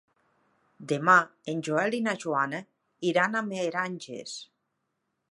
Demà en Joel i na Joana iran a Meranges.